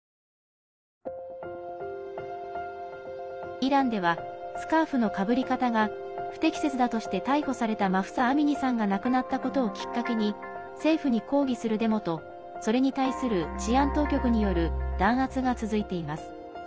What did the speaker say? イランではスカーフのかぶり方が不適切だとして逮捕されたマフサ・アミニさんが亡くなったことをきっかけに政府に抗議するデモとそれに対する治安当局による弾圧が続いています。